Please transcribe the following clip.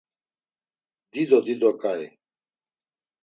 Dido dido ǩai.